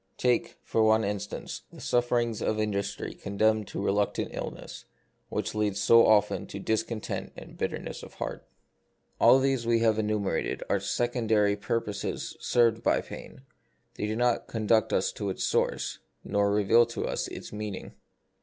Take, for one instance, the suf ferings of industry condemned to reluctant idleness, which lead so often to discontent and bitterness of heart. 3 30 The Mystery of Pain. All these we have enumerated are second ary purposes served by pain. They do not conduct us to its source, nor reveal to us its meaning.